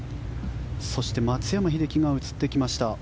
そして松山英樹が映ってきました。